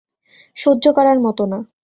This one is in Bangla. সহ্য করার মত না।